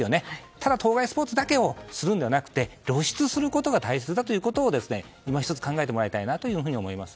ただ、当該スポーツだけをするのではなくて露出することが大切だということをいまひとつ考えてもらいたいなというふうに思います。